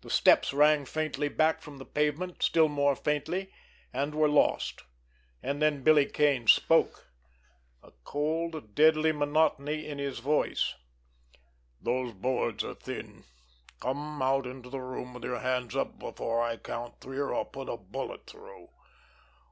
The steps rang faintly back from the pavement, still more faintly, and were lost. And then Billy Kane spoke—a cold deadly monotony in his voice: "Those boards are thin! Come out into the room with your hands up before I count three, or I'll put a bullet through.